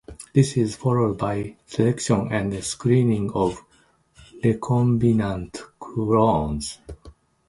This is followed by selection and screening of recombinant clones.